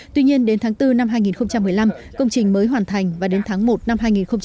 tuy nhiên đến tháng bốn năm hai nghìn một mươi năm công trình mới hoàn thành và đến tháng một năm hai nghìn hai mươi